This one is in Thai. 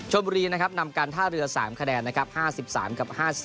ชมบุรีนะครับนำการท่าเรือ๓คะแนนนะครับ๕๓กับ๕๐